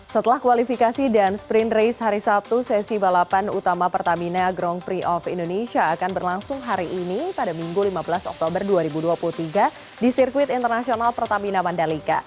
setelah kualifikasi dan sprint race hari sabtu sesi balapan utama pertamina grand prix of indonesia akan berlangsung hari ini pada minggu lima belas oktober dua ribu dua puluh tiga di sirkuit internasional pertamina mandalika